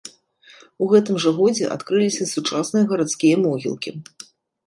У гэтым жа годзе адкрыліся сучасныя гарадскія могілкі.